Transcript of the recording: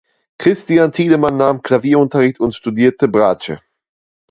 Christian Thielemann nahm Klavierunterricht und studierte Bratsche.